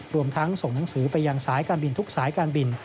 รวมทั้งส่งหนังสือไปยังสายการบินทุกสายการบิน